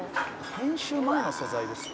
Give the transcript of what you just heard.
「編集前の素材ですよ」